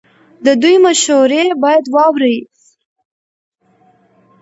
د دوی مشورې باید واورئ.